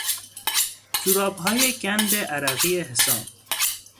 جورابهای گند عرقی حسام